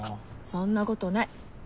そんなことない。